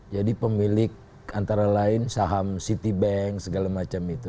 jadi pemilik antara lain saham citibank segala macam itu